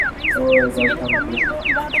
ওহ, এবার কান খুলে শোন।